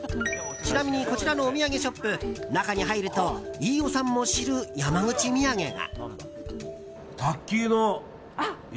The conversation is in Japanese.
ちなみにこちらのお土産ショップ中に入ると飯尾さんも知る山口土産が。